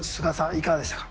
いかがでしたか？